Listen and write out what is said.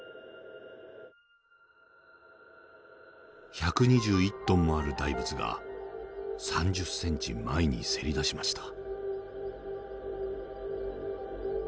１２１トンもある大仏が３０センチ前にせり出しました。